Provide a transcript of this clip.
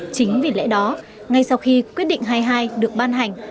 chính vì lẽ đó ngay sau khi quyết định hai mươi hai được ban hành